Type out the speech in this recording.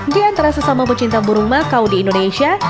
di antara sesama pecinta burung makau di indonesia